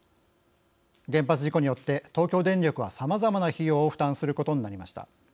原発事故によって東京電力は、さまざまな費用を負担することになりました。